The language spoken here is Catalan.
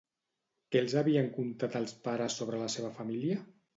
Què els havien contat els pares sobre la seva família?